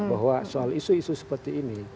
bahwa soal isu isu seperti ini